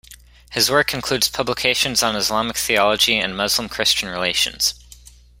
His work includes publications on Islamic theology and Muslim-Christian relations.